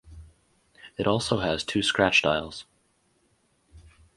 It also has two scratch dials.